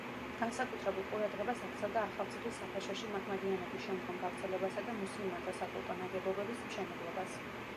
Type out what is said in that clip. განსაკუთრებულ ყურადღებას აქცევდა ახალციხის საფაშოში მაჰმადიანობის შემდგომ გავრცელებასა და მუსლიმანთა საკულტო ნაგებობების მშენებლობას.